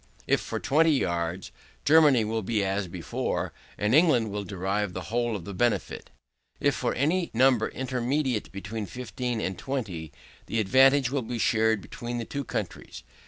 If for 20 yards, Germany will be as before, and England will derive the whole of the benefit. If for any number intermediate between 15 and 20, the advantage will be shared between the two countries.